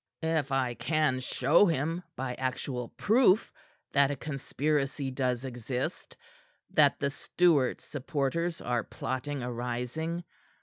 "If I can show him by actual proof that a conspiracy does exist, that the Stuart supporters are plotting a rising.